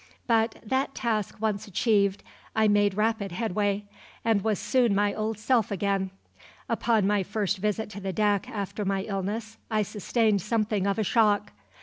But, that task once achieved, I made rapid headway, and was soon my old self again. Upon my first visit to the deck after my illness I sustained something of a shock.